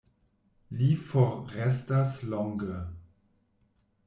Li forrestas longe.